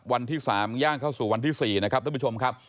วันที่๓ย่างเข้าสู่วันที่๔นะครับท่านผู้ชมครับ